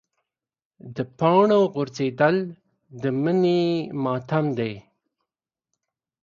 د پاڼو غورځېدل د مني ماتم دی.